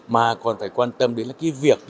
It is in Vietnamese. mà còn phải quan tâm đến việc